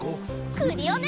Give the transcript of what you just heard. クリオネ！